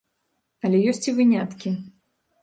Але ёсць і выняткі.